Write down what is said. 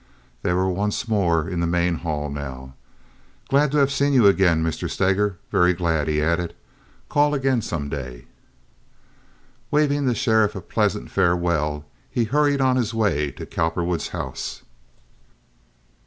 They were once more in the main hall now. "Glad to have seen you again, Mr. Steger—very glad," he added. "Call again some day." Waving the sheriff a pleasant farewell, he hurried on his way to Cowperwood's house.